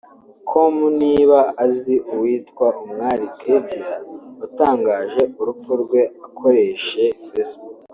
com niba azi uwitwa Umwali Kethia watangaje urupfu rwe akoreshe Facebook